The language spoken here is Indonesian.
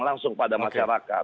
langsung pada masyarakat